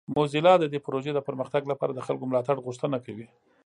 موزیلا د دې پروژې د پرمختګ لپاره د خلکو د ملاتړ غوښتنه کوي.